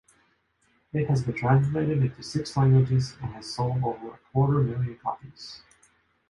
It has been translated into six languages and has sold over a quarter-million copies.